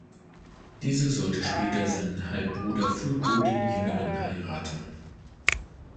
Diese sollte später seinen Halbbruder Fulko den Jüngeren heiraten.